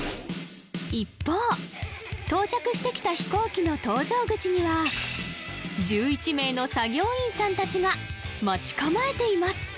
一方到着してきた飛行機の搭乗口には１１名の作業員さん達が待ち構えています